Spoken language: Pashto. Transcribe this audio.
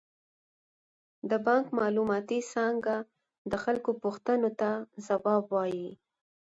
د بانک معلوماتي څانګه د خلکو پوښتنو ته ځواب وايي.